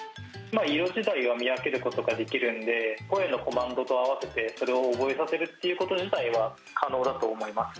色自体は見分けることができるので、声のコマンドと合わせてそれを覚えさせるっていうこと自体は可能だと思います。